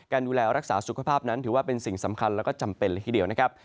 ดูแลรักษาสุขภาพนั้นถือว่าเป็นสิ่งสำคัญแล้วก็จำเป็นเลยทีเดียวนะครับ